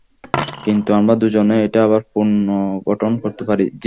কিন্তু আমরা দুজনে, এটা আবার পুর্নগঠন করতে পারি।